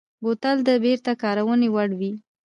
بوتل د بېرته کارونې وړ وي.